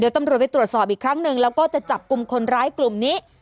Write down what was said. ตำรวจไปตรวจสอบอีกครั้งหนึ่งแล้วก็จะจับกลุ่มคนร้ายกลุ่มนี้